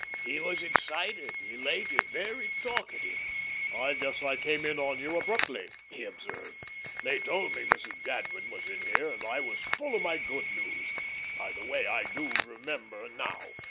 He was excited, elated, very talkative. "I guess I came in on you abruptly," he observed. "They told me Mrs. Jadwin was in here, and I was full of my good news. By the way, I do remember now.